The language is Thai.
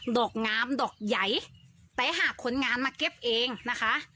ดอกงามดอกใหญ่แต่หากคนงานมาเก็บเองนะคะ